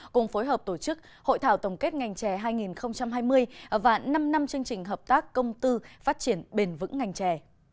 cùng phối hợp tổ chức hội thảo tổng kết ngành trè hai nghìn hai mươi và năm năm chương trình hợp tác công tư phát triển bền vững ngành chè